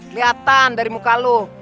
liatan dari muka lo